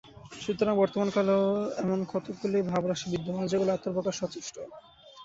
সুতরাং বর্তমান কালেও এমন কতকগুলি ভাবরাশি বিদ্যমান, যেগুলি আত্মপ্রকাশে সচেষ্ট।